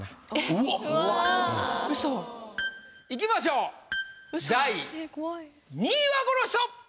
うわ。いきましょう第２位はこの人！